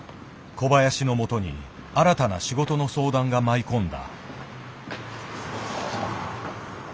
小林の元に新たな仕事の相談が舞い込んだ。